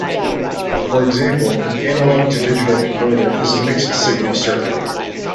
For example, an analog-to-digital converter is a mixed-signal circuit.